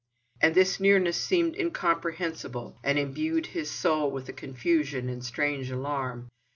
And this nearness seemed incomprehensible, and imbued his soul with a confusion and strange alarm.